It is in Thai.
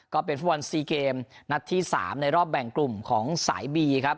ก็เป็นฟุตบอล๔เกมนัดที่๓ในรอบแบ่งกลุ่มของสายบีครับ